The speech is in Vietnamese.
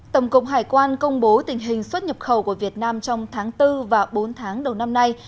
tổng cục hải quan công bố tình hình xuất nhập khẩu của việt nam trong tháng bốn và bốn tháng đầu năm nay